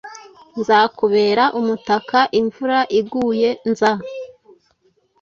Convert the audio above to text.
nzakubera umutaka imvura iguye, nza...”